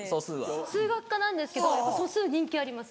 数学科なんですけど素数人気あります。